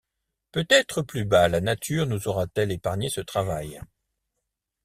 Peut-être, plus bas, la nature nous aura-t-elle épargné ce travail.